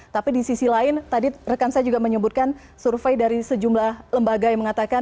tapi di sisi lain tadi rekan saya juga menyebutkan survei dari sejumlah lembaga yang mengatakan